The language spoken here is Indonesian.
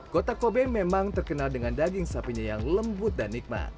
kota kobe memang terkenal dengan daging sapinya yang lembut dan nikmat